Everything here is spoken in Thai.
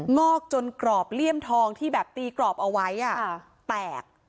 งอกจนกรอบเลี่ยมทองที่แบบตีกรอบเอาไว้แตก